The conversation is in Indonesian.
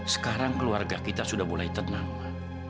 sekarang keluarga kita sudah boleh tenang ma